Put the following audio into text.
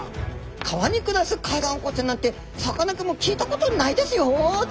「川に暮らすカエルアンコウちゃんなんてさかなクンも聞いたことないですよ」。